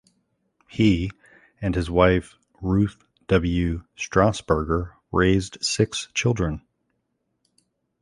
He and his wife, Ruth W. Strassburger, raised six children.